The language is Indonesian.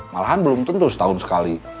malahan belum tentu setahun sekali